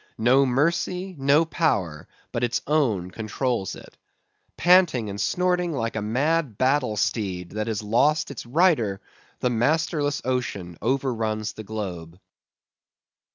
No mercy, no power but its own controls it. Panting and snorting like a mad battle steed that has lost its rider, the masterless ocean overruns the globe.